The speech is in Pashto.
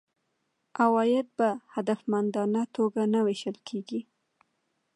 عواید په هدفمندانه توګه نه وېشل کیږي.